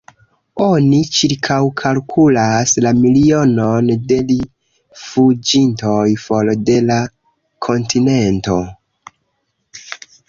Oni ĉirkaŭkalkulas la milionon de rifuĝintoj for de la kontinento.